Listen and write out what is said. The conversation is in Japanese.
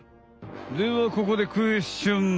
ではここでクエスチョン！